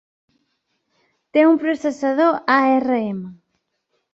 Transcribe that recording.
Té un processador ARM.